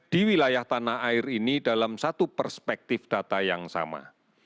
di wilayah tanah air ini dalam satu perspektif data yang sama